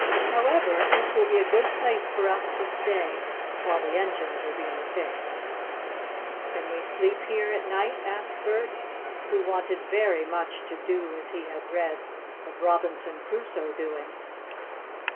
However, this will be a good place for us to stay while the engines are being fixed." "Can we sleep here at night?" asked Bert, who wanted very much to do as he had read of Robinson Crusoe doing.